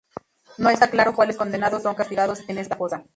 No está claro cuales condenados son castigados en esta fosa.